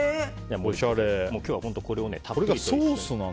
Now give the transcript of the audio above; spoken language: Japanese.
今日はこれをたっぷりと。